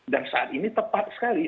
saat ini tepat sekali